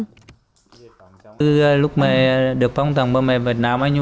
trải qua hai cuộc kháng chiến ác liệt hà tĩnh hiện có gần hai mẹ được phong tặng danh hiệu mẹ việt nam anh hùng